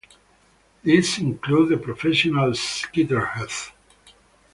This included the professional Skeeter Heath.